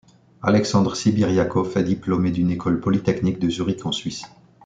Alexandre Sibiriakov est diplômé d'une école polytechnique de Zurich, en Suisse.